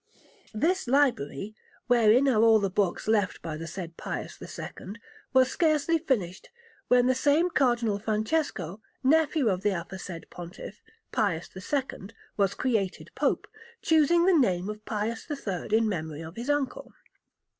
This library, wherein are all the books left by the said Pius II, was scarcely finished, when the same Cardinal Francesco, nephew of the aforesaid Pontiff, Pius II, was created Pope, choosing the name of Pius III in memory of his uncle.